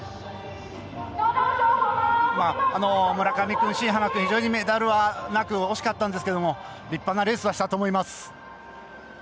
村上君、新濱君メダルはなく惜しかったんですが立派なレースはしたと思います。